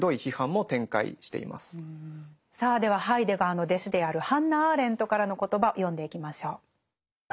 さあではハイデガーの弟子であるハンナ・アーレントからの言葉読んでいきましょう。